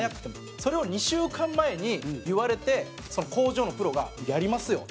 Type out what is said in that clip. それを２週間前に言われて工場のプロが「やりますよ」。